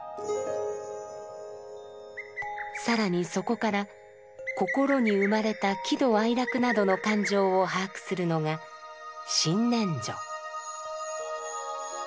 更にそこから心に生まれた喜怒哀楽などの感情を把握するのが「心念処」。